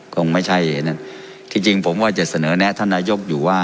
คงไม่ใช่ที่จริงผมก็จะเสนอแนะท่านนายกอยู่ว่า